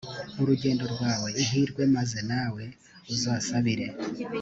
urugendo rwawe ihirwe maze nawe uzasabire